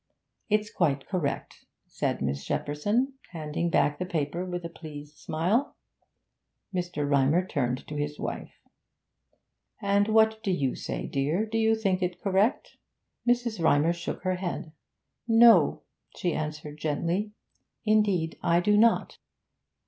'It's quite correct,' said Miss Shepperson, handing back the paper with a pleased smile. Mr. Rymer turned to his wife. 'And what do you say, dear? Do you think it correct?' Mrs. Rymer shook her head. 'No,' she answered gently, 'indeed I do not.'